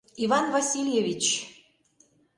Иван Васильевич...